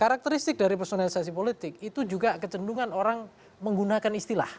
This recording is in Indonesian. karakteristik dari personalisasi politik itu juga kecendungan orang menggunakan istilah